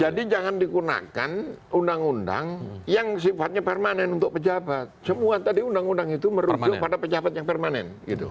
jadi jangan dikunakan undang undang yang sifatnya permanen untuk pejabat semua tadi undang undang itu merujuk pada pejabat yang permanen